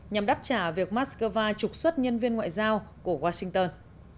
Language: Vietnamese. nhằm đáp trả việc moscow trục xuất nhân viên ngoại giao của washington